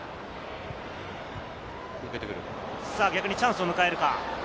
逆にチャンスを迎えるか。